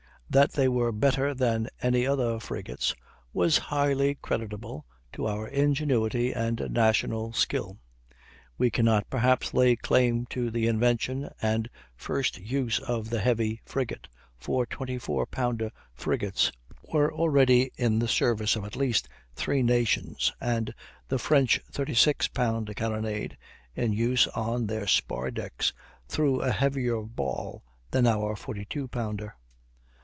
That they were better than any other frigates was highly creditable to our ingenuity and national skill. We cannot, perhaps, lay claim to the invention and first use of the heavy frigate, for 24 pounder frigates were already in the service of at least three nations, and the French 36 pound carronnade, in use on their spar decks, threw a heavier ball than our 42 pounder.